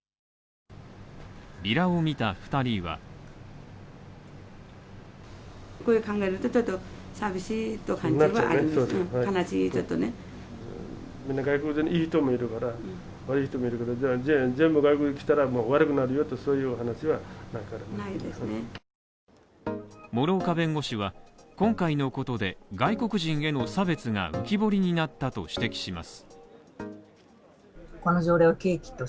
ビラを見た２人は師岡弁護士は、今回のことで、外国人への差別が浮き彫りになったと指摘します。